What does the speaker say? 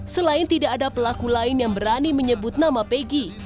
selain tidak ada pelaku lain yang berani menyebut nama pegi